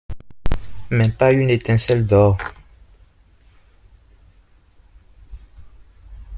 Mais pas une étincelle d’or.